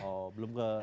oh belum ke